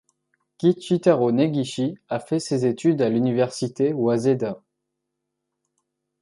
Kichitarō Negishi a fait ses études à l'université Waseda.